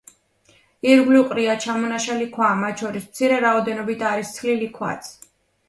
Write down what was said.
ირგვლივ ყრია ჩამონაშალი ქვა, მათ შორის, მცირე რაოდენობით არის თლილი ქვაც.